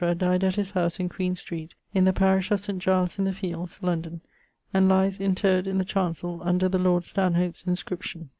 dyed at his house, in Queen street, in the parish of St. Giles in the fields, London, and lies interred in the chancell, under the lord Stanhope's inscription.